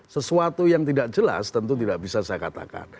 sesuatu yang tidak jelas tentu tidak bisa saya katakan